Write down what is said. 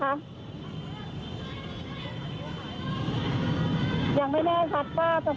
เพราะตอนนี้ก็ไม่มีเวลาให้เข้าไปที่นี่